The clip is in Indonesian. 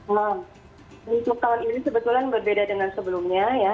nah untuk tahun ini sebetulnya berbeda dengan sebelumnya ya